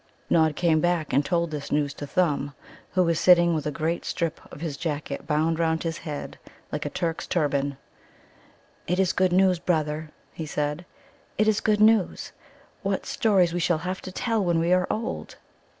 Nod came back and told this news to Thumb, who was sitting with a great strip of his jacket bound round his head like a Turk's turban. "It is good news, brother," he said "it is good news. What stories we shall have to tell when we are old!"